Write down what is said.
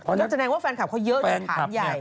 แล้วแสดงว่าแฟนคลับเขาเยอะอยู่ขาดใหญ่